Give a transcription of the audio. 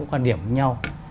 quan điểm với nhau